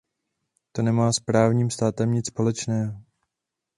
To nemá s právním státem nic společného.